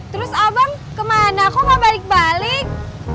terus abang kemana kok gak balik balik